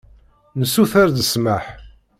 Nessuter-d ssmaḥ.